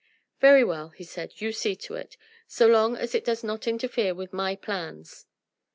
"Very well!" he said, "you see to it. So long as it does not interfere with my plans...."